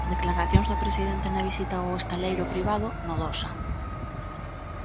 Declaracións do presidente na visita ao estaleiro privado Nodosa.